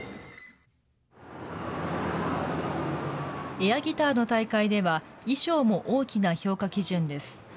エアギターの大会では、衣装も大きな評価基準です。